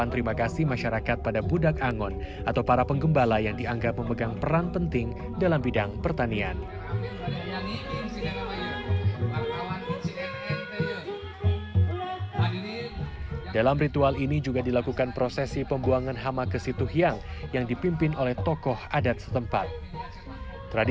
mereka mencoba melepas lelah dengan menyaksikan berbagai pertunjukan kesenian yang ditampilkan